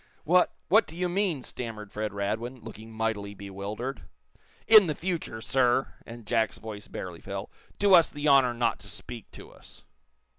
"What what do you mean?" stammered Fred Radwin, looking mightily bewildered. "In the future, sir," and Jack's voice barely fell, "do us the honor not to speak to us."